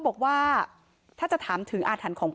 เพราะพ่อเชื่อกับจ้างหักข้าวโพด